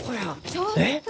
ちょっと。